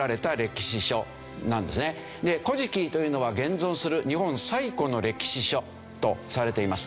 『古事記』というのは現存する日本最古の歴史書とされています。